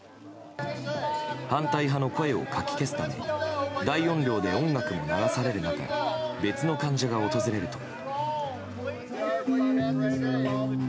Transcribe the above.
反対派の声をかき消すために大音量で音楽が流される中別の患者が訪れると。